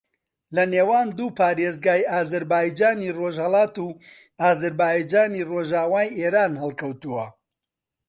لە نێوان دوو پارێزگای ئازەربایجانی ڕۆژھەڵات و ئازەربایجانی ڕۆژاوای ئێران ھەڵکەوتووە